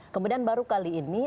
kemudian baru kali ini